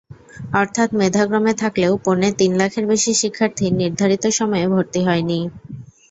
অর্থাৎ মেধাক্রমে থাকলেও পৌনে তিন লাখের বেশি শিক্ষার্থী নির্ধারিত সময়ে ভর্তি হয়নি।